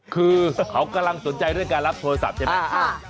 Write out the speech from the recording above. คือเขากำลังสนใจเรื่องการรับโทรศัพท์ใช่ไหม